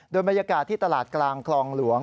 โดยบรรยากาศที่ตลาดกลางคลองหลวง